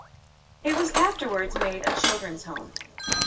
It was afterwards made a children's home.